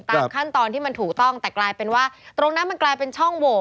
ตามขั้นตอนที่มันถูกต้องแต่กลายเป็นว่าตรงนั้นมันกลายเป็นช่องโหว